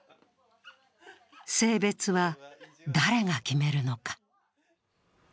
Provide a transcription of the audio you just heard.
性別は誰が決めるのか。